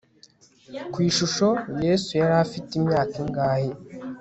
Ku ishusho Yesu yari afite imyaka ingahe